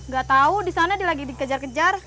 gak tahu di sana dia lagi dikejar kejar